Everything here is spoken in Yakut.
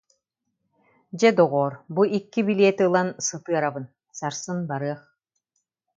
Дьэ, доҕоор, бу икки билиэти ылан сы- тыарабын, сарсын барыах